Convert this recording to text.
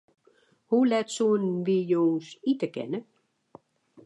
Hoe let soenen wy jûns ite kinne?